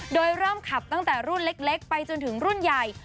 โดยเริ่มขับตั้งแต่รุ่นเล็กไปจนถึงรุ่นใหญ่